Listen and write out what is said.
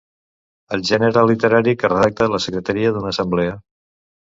El gènere literari que redacta la secretària d'una assemblea.